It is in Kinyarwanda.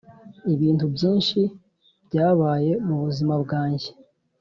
ibintu byinshi byabaye mubuzima bwanjye.